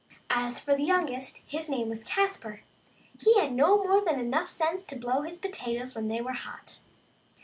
As for the youngest, his name was Caspar, he had no more than enough sense to blow his potatoes when they were hot.